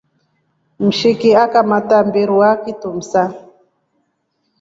Mshiki akamta mbirwa kitumsa.